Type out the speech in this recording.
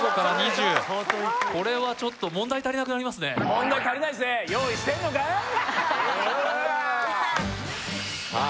これはちょっと問題足りなくなりますねさあ